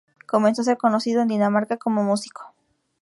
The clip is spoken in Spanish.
Comenzó a ser conocido en Dinamarca como músico.